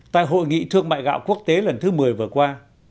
tại hội nghị thương mại gạo quốc tế lần thứ một mươi vừa qua